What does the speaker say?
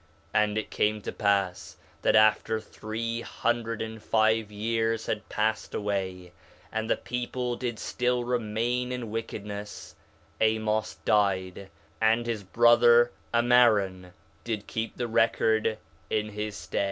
4 Nephi 1:47 And it came to pass that after three hundred and five years had passed away, (and the people did still remain in wickedness) Amos died; and his brother, Ammaron, did keep the record in his stead.